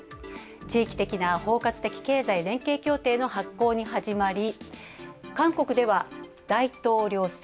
地域的な経済連携協定の発効に始まり、韓国では大統領選。